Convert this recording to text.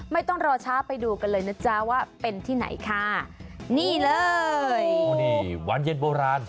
ไม่ต้องรอช้าไปดูกันเลยนะจ๊ะว่าเป็นที่ไหนค่ะนี่เลยโอ้นี่หวานเย็นโบราณ